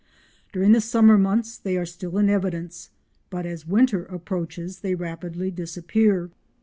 During the summer months they are still in evidence, but as winter approaches they rapidly disappear.